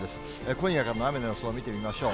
今夜からの雨の予想を見てみましょう。